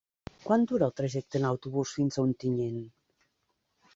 Quant dura el trajecte en autobús fins a Ontinyent?